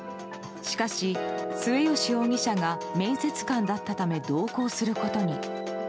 しかし、末吉容疑者が面接官だったため同行することに。